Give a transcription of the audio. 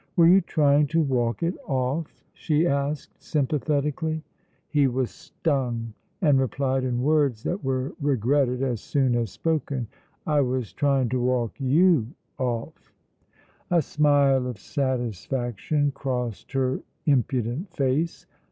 "Were you trying to walk it off?" she asked sympathetically. He was stung, and replied in words that were regretted as soon as spoken: "I was trying to walk you off." A smile of satisfaction crossed her impudent face.